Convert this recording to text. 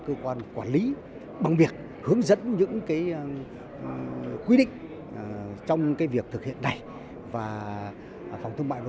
cơ quan quản lý bằng việc hướng dẫn những quy định trong việc thực hiện này và phòng thương mại và